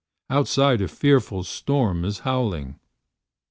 ... Outside a fearful storm is howling.